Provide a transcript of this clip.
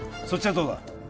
そっちはどうだ？